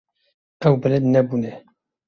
Ew bilind nebûne.